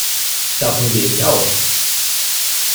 Davon gehe ich aus.